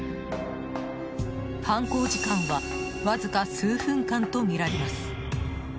犯行時間はわずか数分間とみられます。